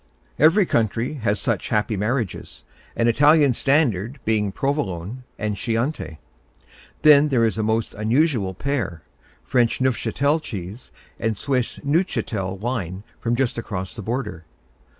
Every country has such happy marriages, an Italian standard being Provolone and Chianti. Then there is a most unusual pair, French Neufchâtel cheese and Swiss Neuchâtel wine from just across the border.